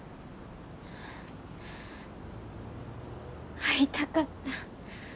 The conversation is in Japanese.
会いたかった。